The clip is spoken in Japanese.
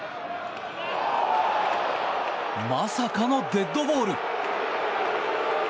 まさかのデッドボール。